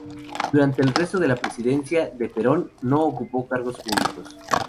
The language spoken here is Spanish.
Durante el resto de la presidencia de Perón no ocupó cargos públicos.